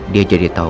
dia jadi tau